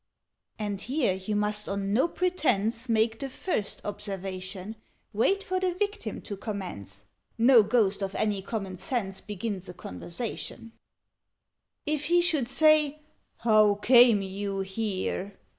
"And here you must on no pretence Make the first observation. Wait for the Victim to commence: No Ghost of any common sense Begins a conversation. "If he should say '_How came you here?